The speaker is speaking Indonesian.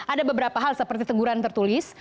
ada beberapa hal seperti teguran tertulis